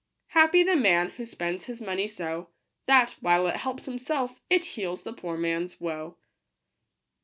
Happy the man who spends his money so, That, while it helps himself, it heals the poor man's woe.